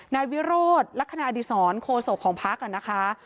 นายวิโรธลักษณะอดีศรโคศกของพักนะคะ